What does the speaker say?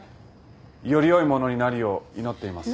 よりよいものになるよう祈っています。